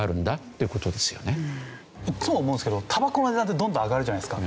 いっつも思うんですけどたばこの値段ってどんどん上がるじゃないですか。